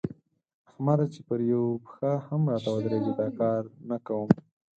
احمده! چې پر يوه پښه هم راته ودرېږي؛ دا کار نه کوم.